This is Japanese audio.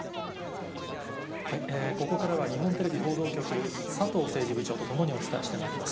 ここからは日本テレビ報道局、佐藤政治部長と共にお伝えしてまいります。